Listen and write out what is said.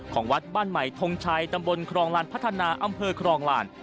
ของวัดบ้านใหม่ทงชัยตำบลครองลานพัฒนาอำเภอครองลาน